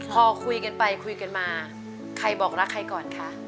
พอคุยกันไปคุยกันมาใครบอกรักใครก่อนคะ